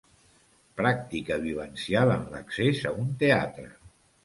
Pràctica vivencial en l'accés a un teatre.